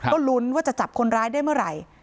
ก็ลุ้นว่าจะจับคนร้ายได้เมื่อไหร่